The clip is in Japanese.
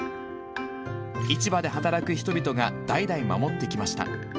市場で働く人々が代々守ってきました。